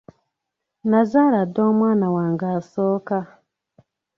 Nazaala dda omwana wange asooka.